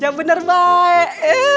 yang bener baik